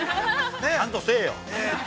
ちゃんとせえよ。